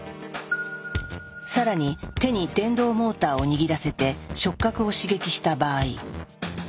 更に手に電動モーターを握らせて触覚を刺激した場合。